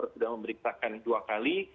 sudah memeriksakan dua kali